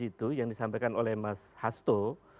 itu yang disampaikan oleh mas hasto